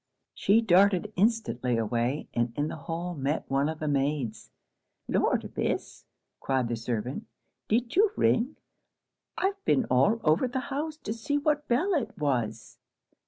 She darted instantly away, and in the hall met one of the maids. 'Lord, Miss,' cried the servant, 'did you ring? I've been all over the house to see what bell it was.'